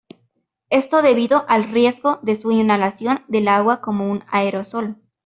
Esto debido al riesgo de su inhalación del agua como un aerosol.